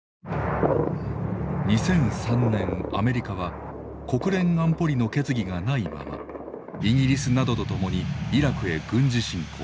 ２００３年アメリカは国連安保理の決議がないままイギリスなどと共にイラクへ軍事侵攻。